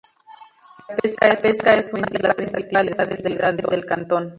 La pesca es una de las principales actividades del cantón.